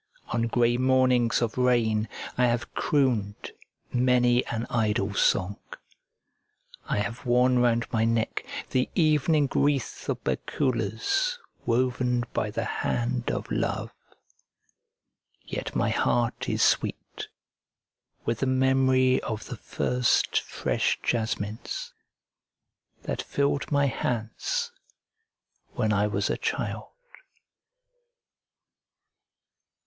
On grey mornings of rain I have crooned many an idle song. I have worn round my neck the evening wreath of bakulas woven by the hand of love. Yet my heart is sweet with the memory of the first fresh jasmines that filled my hands when I was a child.